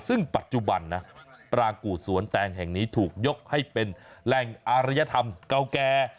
ซึ่งปัจจุบันนะปรางกู่สวนแตงแห่งนี้ถูกยกให้เป็นแหล่งอารยธรรมเก่าแก่